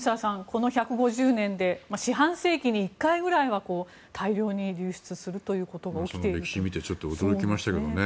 この１５０年で四半世紀に１回ぐらいは大量に流出するということが驚きましたけどね。